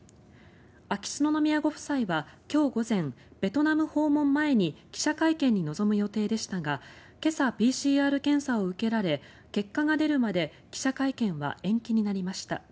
秋篠宮ご夫妻は今日午前、ベトナム訪問前に記者会見に臨む予定でしたが今朝、ＰＣＲ検査を受けられ結果が出るまで記者会見は延期になりました。